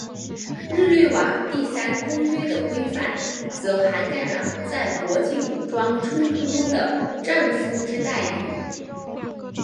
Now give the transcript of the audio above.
日内瓦第三公约的规范则涵盖了在国际武装冲突中的战俘之待遇。